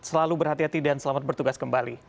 selalu berhati hati dan selamat bertugas kembali